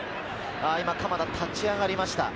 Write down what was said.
今、鎌田、立ち上がりました。